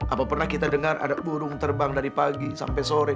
apa pernah kita dengar ada burung terbang dari pagi sampai sore